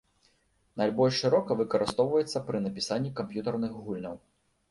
Найбольш шырока выкарыстоўваецца пры напісанні камп'ютарных гульняў.